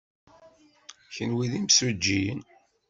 Kenwi d imsujjiyen.